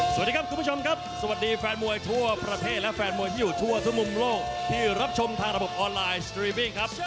สวัสดีครับคุณผู้ชมครับสวัสดีแฟนมวยทั่วประเทศและแฟนมวยที่อยู่ทั่วทุกมุมโลกที่รับชมทางระบบออนไลน์สตรีวิ่งครับ